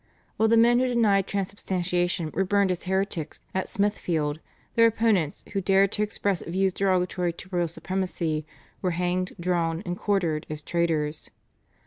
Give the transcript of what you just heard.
While the men who denied Transubstantiation were burned as heretics at Smithfield, their opponents, who dared to express views derogatory to royal supremacy, were hanged, drawn, and quartered as traitors.